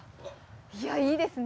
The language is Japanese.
いやいいですね。